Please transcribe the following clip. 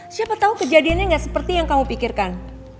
siapa tau kejadiannya gak seperti yang kamu pikirkan